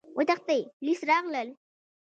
وتښتئ! پوليس راغلل!